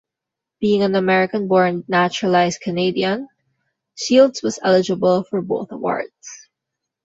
Being an American-born naturalized Canadian, Shields was eligible for both awards.